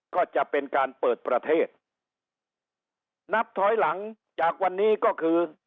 ก็จะเป็นการเปิดประเทศนับถอยหลังจากวันนี้ก็คือ